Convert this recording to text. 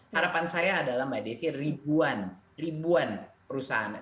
harapan saya adalah mbak desi ribuan ribuan perusahaan